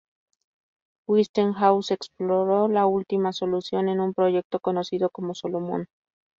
Westinghouse exploró la última solución en un proyecto conocido como Solomon.